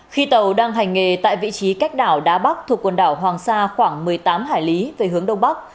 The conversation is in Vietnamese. khi tàu đang hành nghề tại vị trí cách đảo đá bắc thuộc quần đảo hoàng sa khoảng một mươi tám hải lý về hướng đông bắc